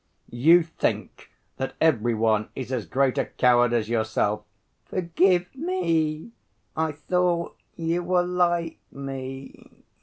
"You think that every one is as great a coward as yourself?" "Forgive me, I thought you were like me."